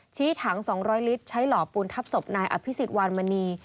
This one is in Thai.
ถัง๒๐๐ลิตรใช้หล่อปูนทับศพนายอภิษฎวานมณี